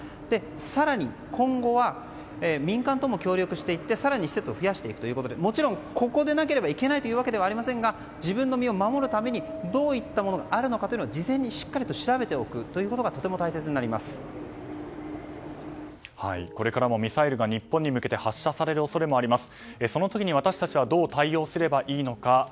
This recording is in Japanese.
更に今後は民間とも協力していって更に施設を増やしていくということでもちろんここでなければいけないというわけではありませんが自分の身を守るためにどういったものがあるのか事前にしっかりとこれからもミサイルが日本に向けて発射される恐れもあります。